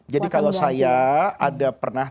jadi kalau saya ada pernah